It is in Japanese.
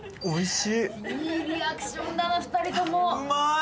いいリアクションだな、２人とも。